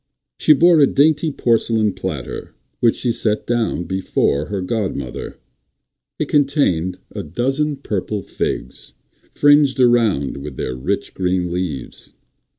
She bore a dainty porcelain platter, which she set down before her godmother. It contained a dozen purple figs, fringed around with their rich, green leaves.